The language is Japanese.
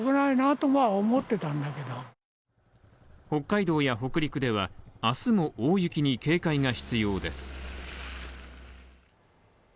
北海道や北陸では、あすも大雪に警戒が必要です。